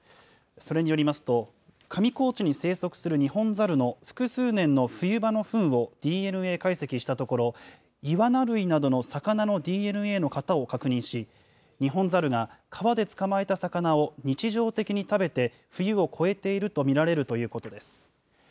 それによりますと、上高地に生息するニホンザルの複数年の冬場のふんをＤＮＡ解析したところ、イワナ類などの魚のＤＮＡの型を確認し、ニホンザルが川で捕まえた魚を日常的に食べて、冬を越えていると見られるということです。